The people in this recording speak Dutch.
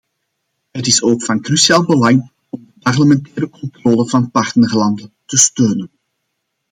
Het is ook van cruciaal belang om de parlementaire controle van partnerlanden te steunen.